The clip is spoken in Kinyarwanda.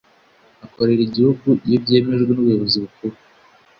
akorera igihugu iyobyemejwe n ‘ubuyobozi bukuru.